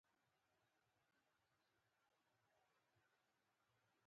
ستوني غرونه د افغانستان د ناحیو ترمنځ تفاوتونه رامنځ ته کوي.